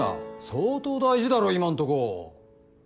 相当大事だろ今のとこ。